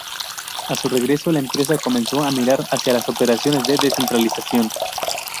A su regreso, la empresa comenzó a mirar hacia las operaciones de descentralización.